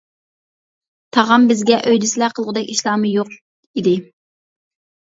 تاغام بىزگە ئۆيدە سىلەر قىلغۇدەك ئىشلارمۇ يوق ئىدى.